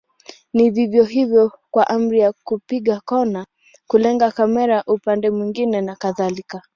Ni vivyo hivyo kwa amri za kupiga kona, kulenga kamera upande mwingine na kadhalika.